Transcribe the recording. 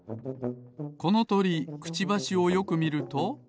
このとりクチバシをよくみると。